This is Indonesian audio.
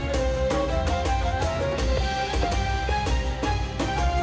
terima kasih wa bilahi sama sama